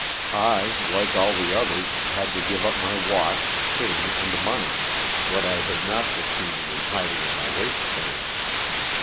I, like all the others, had to give up my watch, chain and money — what I had not succeeded in hiding in my waistband.